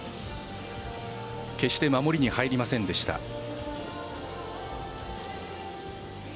決して守りに入りませんでした。